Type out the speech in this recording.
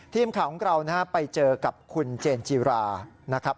ทีมข่าวของเราไปเจอกับคุณเจนจิรานะครับ